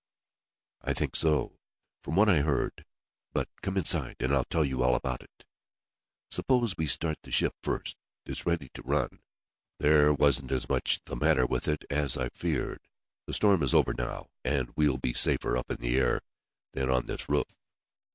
"I think so, from what I heard. But come inside and I'll tell you all about it." "Suppose we start the ship first? It's ready to run. There wasn't as much the matter with it as I feared. The storm is over now, and we'll be safer up in the air than on this roof.